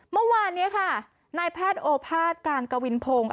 เมื่อวานนี้ค่ะนายแพทย์โอภาษย์การกวินพงศ์